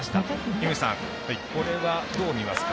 井口さん、これはどう見ますか？